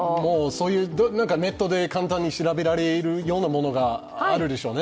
ネットで簡単に調べられるようなものがあるんでしょうね。